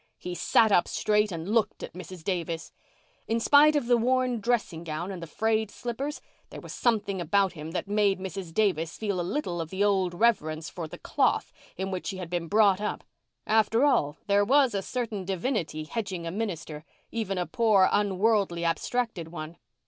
He sat up straight and looked at Mrs. Davis. In spite of the worn dressing gown and the frayed slippers there was something about him that made Mrs. Davis feel a little of the old reverence for "the cloth" in which she had been brought up. After all, there was a certain divinity hedging a minister, even a poor, unworldly, abstracted one.